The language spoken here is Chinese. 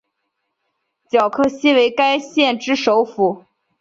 皎克西为该县之首府。